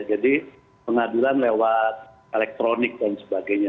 jadi pengadilan lewat elektronik dan sebagainya